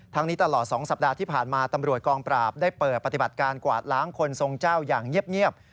นี้ตลอด๒สัปดาห์ที่ผ่านมาตำรวจกองปราบได้เปิดปฏิบัติการกวาดล้างคนทรงเจ้าอย่างเงียบ